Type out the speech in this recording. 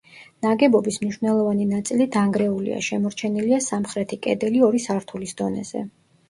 ნაგებობის მნიშვნელოვანი ნაწილი დანგრეულია, შემორჩენილია სამხრეთი კედელი ორი სართულის დონეზე.